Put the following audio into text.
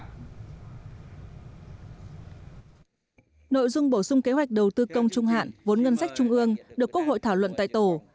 nội dung bổ sung kế hoạch đầu tư công trung hạn vốn ngân sách trung ương được quốc hội thảo luận tại tổ